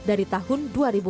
dari tahun dua ribu enam belas